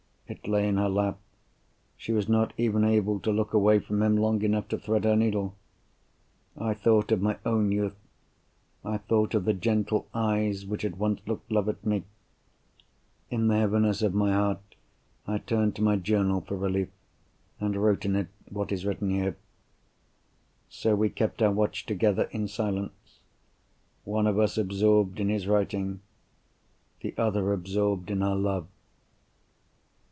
It lay in her lap—she was not even able to look away from him long enough to thread her needle. I thought of my own youth; I thought of the gentle eyes which had once looked love at me. In the heaviness of my heart I turned to my Journal for relief, and wrote in it what is written here. So we kept our watch together in silence. One of us absorbed in his writing; the other absorbed in her love.